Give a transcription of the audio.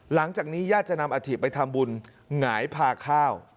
หลังจากนี้ญาติจะนำอาถิไปทำบุญหงายพาข้าว